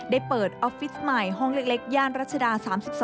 ได้เปิดออฟฟิศใหม่ห้องเล็กย่านรัชดา๓๒